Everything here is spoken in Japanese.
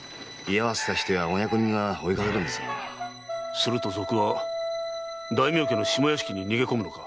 すると賊は大名家の下屋敷に逃げ込むのか。